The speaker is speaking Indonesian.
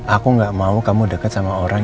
aku gak mau kamu deket sama orang